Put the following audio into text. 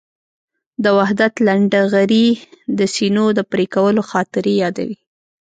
د وحدت لنډهغري د سینو د پرېکولو خاطرې یادوي.